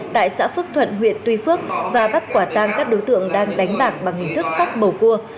tại xã phước thuận huyện tuy phước và bắt quả tan các đối tượng đang đánh bạc bằng hình thức sóc bầu cua